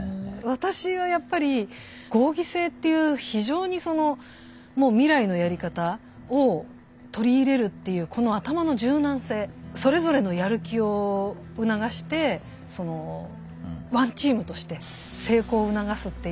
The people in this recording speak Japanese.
私はやっぱり合議制っていう非常にそのもう未来のやり方を取り入れるっていうこの頭の柔軟性それぞれのやる気を促してワンチームとして成功を促すっていう。